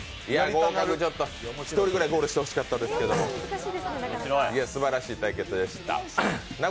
１人ぐらいゴールしてほしかったですけれども、いや、すばらしい対決でした。